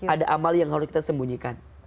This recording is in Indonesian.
ada amal yang harus kita sembunyikan